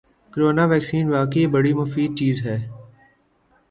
corona vaccine واقعی بڑی مفید چیز ہے